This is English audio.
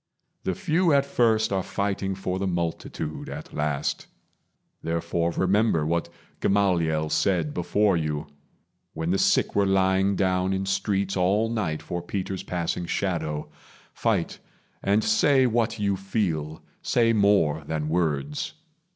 The few at first Are fighting for the multitude at last; Therefore remember what Gamaliel said Before you, when the sick were lying down In streets all night for Peter's passing shadow. Fight, and say what you feel; say more than words.